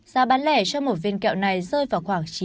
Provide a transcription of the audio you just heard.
giá bán lẻ cho một viên kẹo này rơi vào khoảng